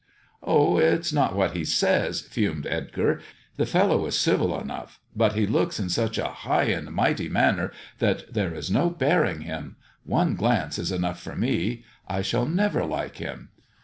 " Oh, it's not what he says," fumed Edgar, " the fellow is civil enough, but he looks in such a high and mighty manner that there is no bearing him. One glance is enough for me. I shall never like him."